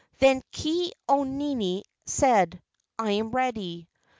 Then Ke au nini said: "I am ready.